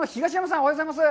おはようございます。